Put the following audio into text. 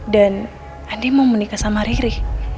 dan andi mau menikah sama riri